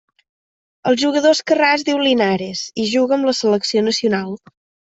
El jugador esquerrà es diu Linares i juga amb la selecció nacional.